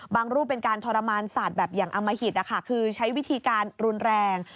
รูปเป็นการทรมานศาสตร์แบบอย่างอมหิตคือใช้วิธีการรุนแรง